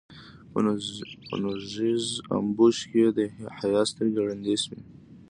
په نوږيز امبوش کې يې د حيا سترګې ړندې شوې.